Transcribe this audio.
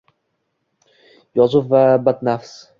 Yovuz va badnafs